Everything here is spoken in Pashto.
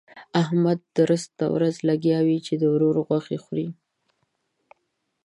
احمد درسته ورځ لګيا وي؛ د ورور غوښې خوري.